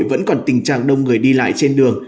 vẫn còn tình trạng đông người đi lại trên đường